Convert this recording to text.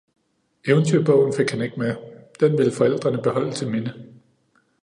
Eventyrbogen fik han ikke med, den ville forældrene beholde til minde